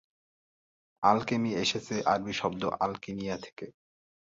Alchemy এসেছে আরবী শব্দ আল-কিমিয়া থেকে।